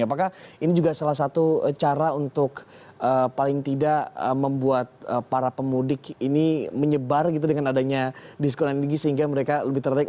apakah ini juga salah satu cara untuk paling tidak membuat para pemudik ini menyebar gitu dengan adanya diskon energi sehingga mereka lebih tertarik